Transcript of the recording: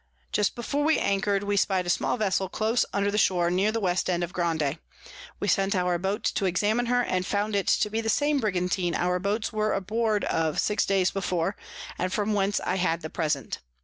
Just before we anchor'd, we spy'd a small Vessel close under the Shore, near the West end of Grande. We sent our Boat to examine her, and found it to be the same Brigantine our Boats were aboard of six days before, and from whence I had the Present.